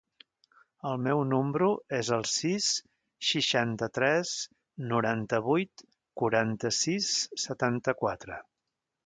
El meu número es el sis, seixanta-tres, noranta-vuit, quaranta-sis, setanta-quatre.